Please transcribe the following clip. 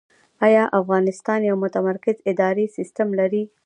آیا افغانستان یو متمرکز اداري سیستم لري؟